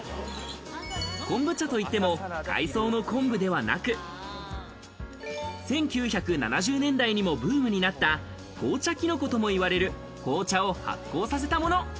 コンブチャといっても、海藻の昆布ではなく、１９７０年代にもブームになった紅茶キノコともいわれる紅茶を発酵させたもの。